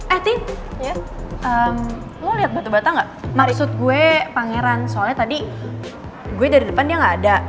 ehm lu lihat batu bata nggak maksud gue pangeran soalnya tadi gue dari depan dia nggak ada